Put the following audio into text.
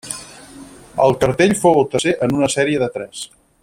El cartell fou el tercer en una sèrie de tres.